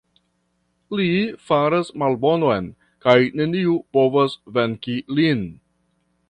Li faras malbonon kaj neniu povas venki lin.